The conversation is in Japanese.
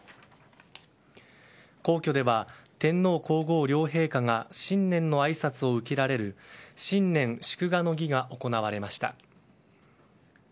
皇居では天皇・皇后両陛下が新年のあいさつを受けられる新年祝賀の儀が行われました。